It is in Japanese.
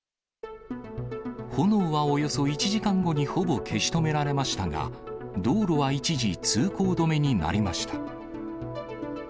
炎はおよそ１時間後にほぼ消し止められましたが、道路は一時通行止めになりました。